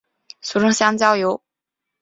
俗称香蕉油。